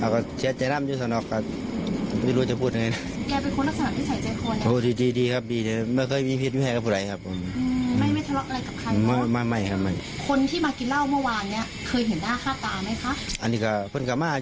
แกเป็นคนราชาสำมัครพิษัยเจฒน